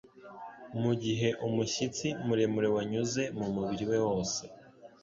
mugihe umushyitsi muremure wanyuze mumubiri we wose